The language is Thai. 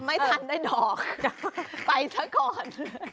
ไม่ทันถึงดอกไปสักขอน